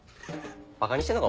バカにしてんのか？